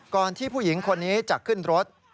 ก่อนที่ผู้หญิงคนนี้จากขึ้นรถ